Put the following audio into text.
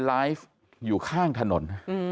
ไลฟ์อยู่ข้างถนน